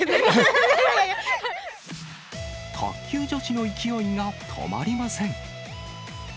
卓球女子の勢いが止まりません。